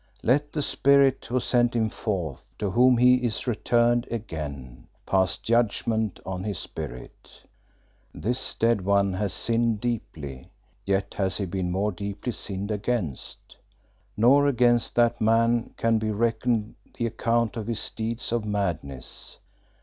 Let the Spirit who sent him forth, to whom he is returned again, pass judgment on his spirit. This dead one has sinned deeply, yet has he been more deeply sinned against. Nor against that man can be reckoned the account of his deeds of madness.